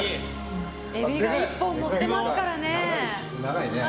エビが１本のってますからね。